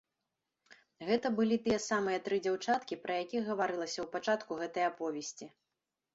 Гэта былі тыя самыя тры дзяўчаткі, пра якіх гаварылася ў пачатку гэтай аповесці.